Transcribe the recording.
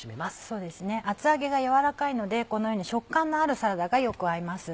そうですね厚揚げが軟らかいのでこのように食感のあるサラダがよく合います。